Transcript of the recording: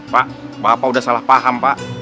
pak bapak udah salah paham pak